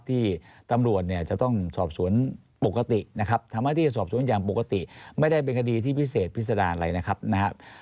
ที่ตำรวจเนี่ยจะต้องสอบสวนปกตินะครับทำหน้าที่สอบสวนอย่างปกติไม่ได้เป็นคดีที่พิเศษพิษดารอะไรนะครับนะครับ